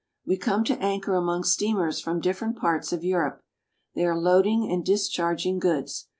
We come to anchor among steamers from different parts of Europe. They are loading and discharging goods.